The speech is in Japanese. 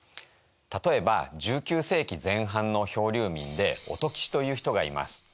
例えば１９世紀前半の漂流民で音吉という人がいます。